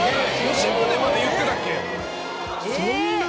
吉宗まで言ってたっけ？